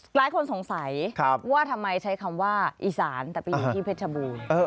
หลายคนสงสัยว่าทำไมใช้คำว่าอีสานแต่ไปอยู่ที่เพชรบูรณ์